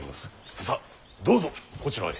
ささっどうぞこちらへ。